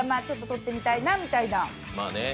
ちょっと取ってみたいなみたいな。